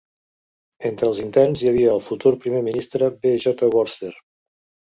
Entre els interns hi havia el futur primer ministre B. J. Vorster.